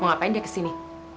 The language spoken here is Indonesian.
mau ngapain dia kesini